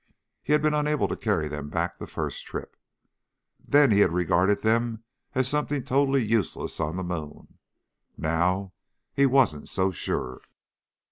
He had been unable to carry them back the first trip. Then he had regarded them as something totally useless on the moon. Now he wasn't so sure.